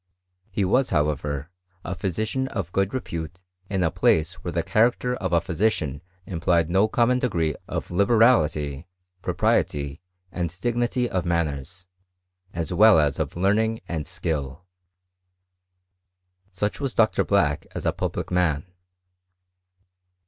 He was, however, a phy sician of good repute in a place where the character of a physician implied no common degree of liberality, propriety, and dignity of manners, as well as of learn ing and skill. Such was Dr. Black as a public man.